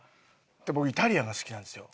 僕イタリアンが好きなんですよ。